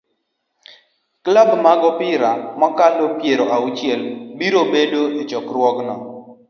Klab mag opira mokalo piero auchiel biro bedo e chokruogno